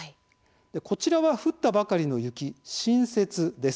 こちらは降ったばかりの雪新雪です。